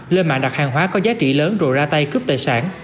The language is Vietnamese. lên mạng đặt hàng hóa có giá trị lớn rồi ra tay cướp tài sản